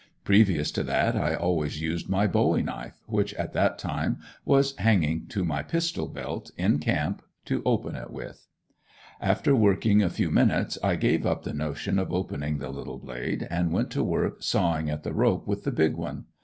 Previous to that I always used my bowie knife, which at that time was hanging to my pistol belt, in camp, to open it with. After working a few minutes I gave up the notion of opening the little blade and went to work sawing at the rope with the big one.